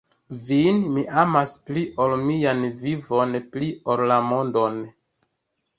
Vin mi amas pli ol mian vivon, pli ol la mondon.